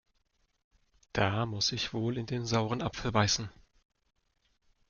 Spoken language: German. Da muss ich wohl in den sauren Apfel beißen.